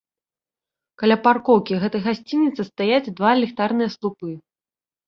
Каля паркоўкі гэтай гасцініцы стаяць два ліхтарныя слупы.